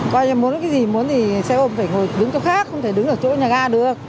coi như muốn cái gì muốn thì xe ôm phải ngồi đứng chỗ khác không thể đứng ở chỗ nhà ga được